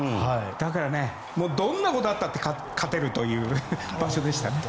だから、どんなことがあったって勝てるという場所でした。